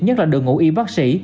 nhất là đội ngũ y bác sĩ